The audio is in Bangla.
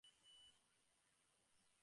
বেদের ব্রাহ্মণভাগে নানাবিধ স্বর্গের কথা আছে।